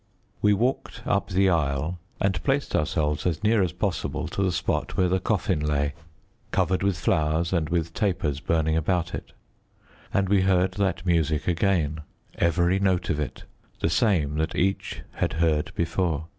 We walked up the aisle, and placed ourselves as near as possible to the spot where the coffin lay, covered with flowers and with tapers burning about it. And we heard that music again, every note of it the same that each had heard before.